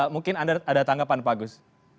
mungkin ada tanggapan pak agus